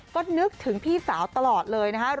ก็นึกถึงพี่สาวตลอดเลยนะครับ